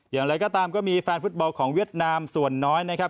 อย่างไรก็ตามก็มีแฟนฟุตบอลของเวียดนามส่วนน้อยนะครับ